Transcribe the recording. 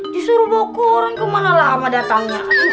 disuruh bawa ke orang ke mana lama datangnya